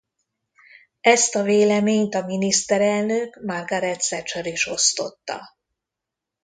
Ezt a véleményt a miniszterelnök Margaret Thatcher is osztotta.